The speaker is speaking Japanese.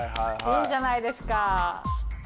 いいじゃないですか。